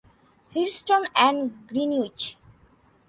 Houston and Greenwich.